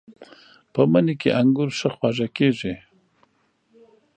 په مني کې انګور ښه خواږه کېږي.